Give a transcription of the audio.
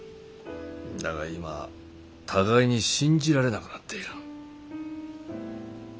だが今互いに信じられなくなっている。